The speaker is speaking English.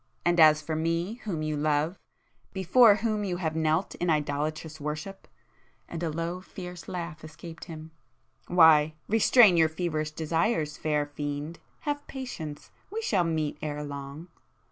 And as for me, whom you love,—before whom you have knelt in idolatrous worship—" and a low fierce laugh escaped him—"why,—restrain your feverish desires, fair fiend!—have patience!—we shall meet ere long!"